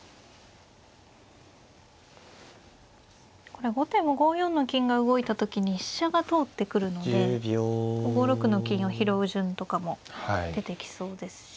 これ後手も５四の金が動いた時に飛車が通ってくるので５六の金を拾う順とかも出てきそうですし。